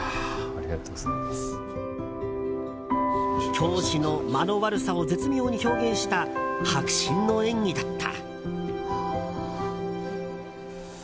教師の間の悪さを絶妙に表現した迫真の演技だった。